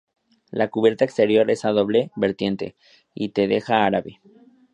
La cubierta exterior es a doble vertiente y de teja árabe.